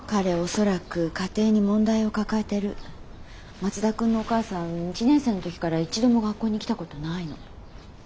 松田君のお母さん１年生の時から一度も学校に来たことないの。